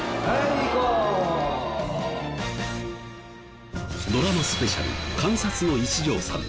ドラマスペシャル『監察の一条さん』。